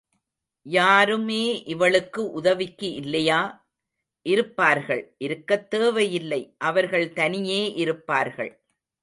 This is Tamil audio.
யாருமே இவளுக்கு உதவிக்கு இல்லையா? இருப்பார்கள் இருக்கத் தேவை இல்லை அவர்கள் தனியே இருப்பார்கள்.